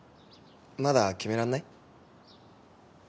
まだ決めらんない？